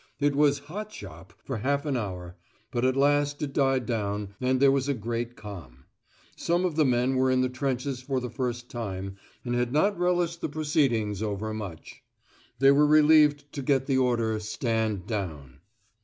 It was "hot shop" for half an hour, but at last it died down and there was a great calm. Some of the men were in the trenches for the first time, and had not relished the proceedings overmuch! They were relieved to get the order "Stand down!"